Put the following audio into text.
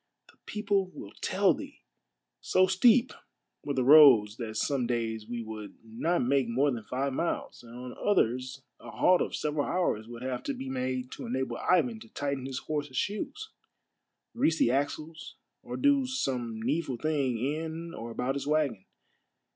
The people will tell thee !" So steep were the roads that some days we would not make more than five miles, and on others a halt of several hours would have to be made to enable Ivan to tighten his horses' shoes, grease the axles, or do some needful thing in or about his wagon.